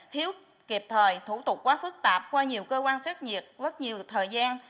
thiếu kịp thời thủ tục quá phức tạp qua nhiều cơ quan xét nhiệt quá nhiều thời gian